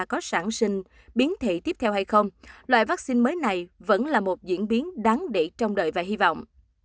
có sản sinh biến thị tiếp theo hay không loại vaccine mới này vẫn là một diễn biến đáng để trong đợi và hy vọng